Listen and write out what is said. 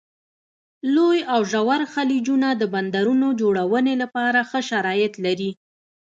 لوی او ژور خلیجونه د بندرونو جوړونې لپاره ښه شرایط لري.